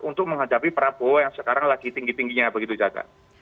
untuk menghadapi prabowo yang sekarang lagi tinggi tingginya begitu caca